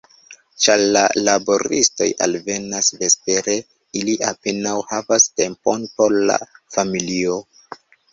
Ĉar la laboristoj alvenas vespere, ili apenaŭ havas tempon por la familio.